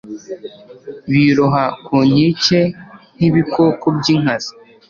biroha ku nkike nk'ibikoko by'inkazi